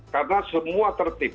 karena semua tertib